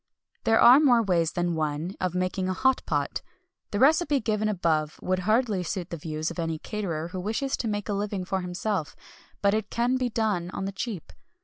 There are more ways than one of making a "hot pot." The recipe given above would hardly suit the views of any caterer who wishes to make a living for himself; but it can be done on the cheap.